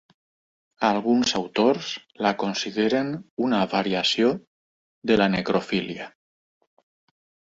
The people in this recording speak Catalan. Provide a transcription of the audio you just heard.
Alguns autors la consideren una variació de la necrofília.